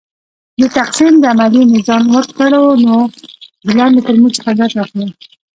د تقسیم د عملیې میزان وکړو نو د لاندې فورمول څخه ګټه اخلو .